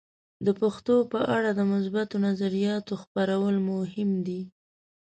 د پښتو په اړه د مثبتو نظریاتو خپرول مهم دي.